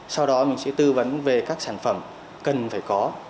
sau đó mình sẽ tư vấn về các sản phẩm cần phải có